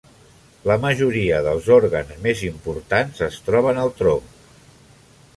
La majoria dels òrgans més importants es troben al tronc.